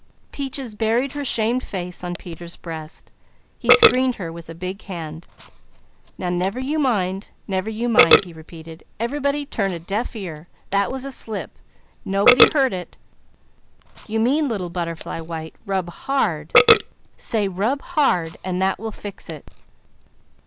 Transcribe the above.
Peaches buried her shamed face on Peter's breast. He screened her with a big hand. "Now never you mind! Never you mind!" he repeated. "Everybody turn a deaf ear! That was a slip! Nobody heard it! You mean Little Butterfly White, 'rub hard.' Say rub hard and that will fix it!"